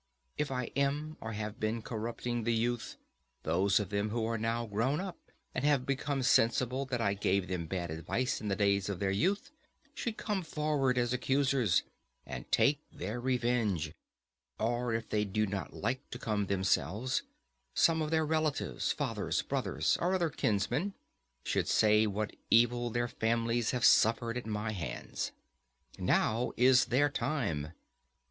If I am or have been corrupting the youth, those of them who are now grown up and have become sensible that I gave them bad advice in the days of their youth should come forward as accusers, and take their revenge; or if they do not like to come themselves, some of their relatives, fathers, brothers, or other kinsmen, should say what evil their families have suffered at my hands. Now is their time.